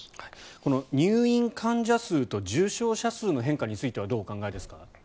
この入院患者数と重症者数の変化についてはどうお考えですか。